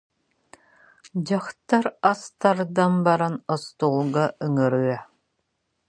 Дьахтар ас тардан баран, остуолга ыҥырыа